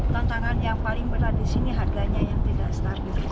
tantangan yang paling berat di sini harganya yang tidak stabil